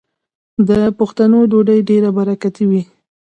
د پښتنو ډوډۍ ډیره برکتي وي.